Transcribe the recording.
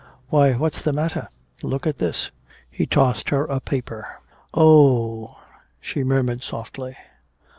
"Why, what's the matter?" "Look at this." And he tossed her a paper. "Oh h h," she murmured softly.